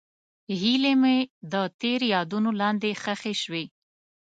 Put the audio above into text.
هیلې مې د تېر یادونو لاندې ښخې شوې.